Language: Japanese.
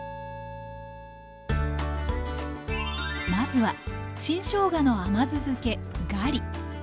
まずは新しょうがの甘酢漬けガリ。